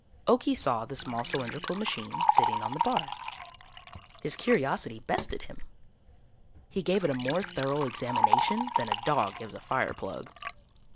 Okie saw the small cylindrical machine sitting on the bar. His curiosity bested him. He gave it a more thorough examination than a dog gives a fireplug.